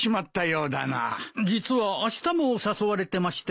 実はあしたも誘われてまして。